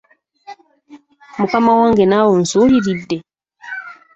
Mukama wange naawe onsuuliridde?